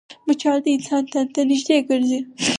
مچان د انسان تن ته نږدې ګرځي